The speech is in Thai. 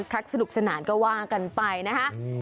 รักสนุกสนานก็ว่ากันไปนะคะ